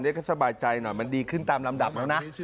ให้สบายใจหน่อยมันดีขึ้นตามลำดับแล้วนะ